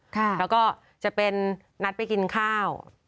แล้วก็จะเป็นนัดไปกินข้าว